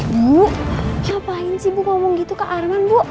ibu ngapain sih bu ngomong gitu ke arman bu